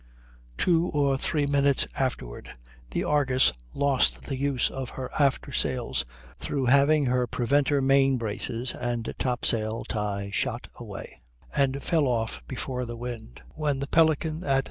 Two or three minutes afterward the Argus lost the use of her after sails through having her preventer main braces and top sail tie shot away, and fell off before the wind, when the Pelican at 6.